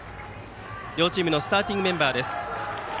両チームのスターティングメンバーです。